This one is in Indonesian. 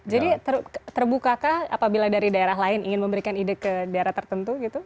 jadi terbukakah apabila dari daerah lain ingin memberikan ide ke daerah tertentu gitu